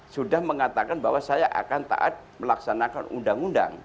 sudah mengatakan bahwa saya akan taat melaksanakan undang undang